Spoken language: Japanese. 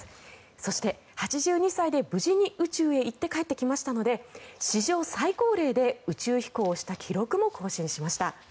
そして、８２歳で無事に宇宙に行って帰ってきましたので史上最高齢で宇宙飛行をした記録も更新しました。